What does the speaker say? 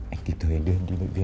anh kịp thời anh đưa em đi bệnh viện